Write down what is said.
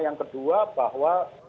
yang kedua bahwa